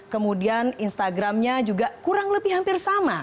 kemudian instagramnya juga kurang lebih hampir sama